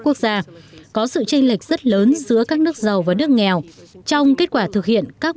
quốc gia có sự tranh lệch rất lớn giữa các nước giàu và nước nghèo trong kết quả thực hiện các